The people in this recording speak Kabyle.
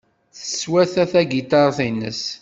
Teswata tagiṭart-nnes.